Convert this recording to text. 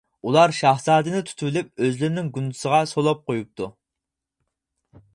ئۇلار شاھزادىنى تۇتۇۋېلىپ، ئۆزلىرىنىڭ گۇندىسىغا سولاپ قۇيۇپتۇ.